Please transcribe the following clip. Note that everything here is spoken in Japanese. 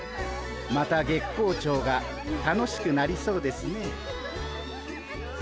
また月光町が楽しくなりそうですね。